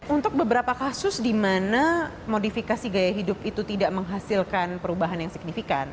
untuk beberapa kasus di mana modifikasi gaya hidup itu tidak menghasilkan perubahan yang signifikan